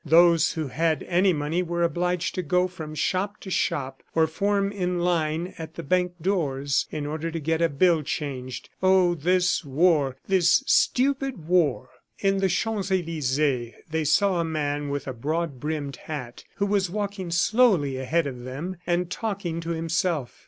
Those who had any money were obliged to go from shop to shop, or form in line at the bank doors, in order to get a bill changed. Oh, this war! This stupid war! In the Champs Elysees, they saw a man with a broad brimmed hat who was walking slowly ahead of them and talking to himself.